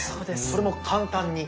それも簡単に。